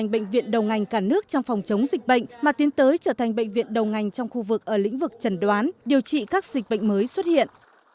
bước trong phòng chống dịch bệnh mà tiến tới trở thành bệnh viện đầu ngành trong khu vực ở lĩnh vực chẩn đoán điều trị các dịch bệnh mới xuất hiện